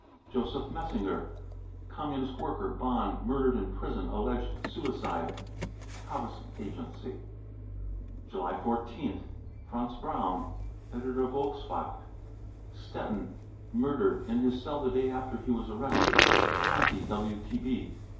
Joseph messinger, Communist worker, Bonn, murdered ki prison, alleged suicide. (Havas agency.) •; July 14th. franz braun, editor of Volkswackt , Stettin, murdered in his cell the day after he was arrested. ( Conti WTB